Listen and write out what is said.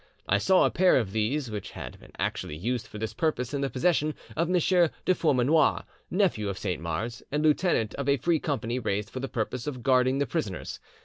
I saw a pair of these which had been actually used for this purpose in the possession of M. de Formanoir, nephew of Saint Mars, and lieutenant of a Free Company raised for the purpose of guarding the prisoners.